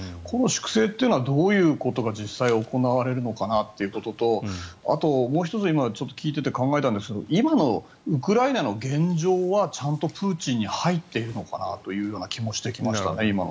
この粛清というのはどういうことが実際に行われるのかなということとあと、もう１つ聞いていて考えたんですが今のウクライナの現状はちゃんとプーチンに入っているのかなというような気もしてきました。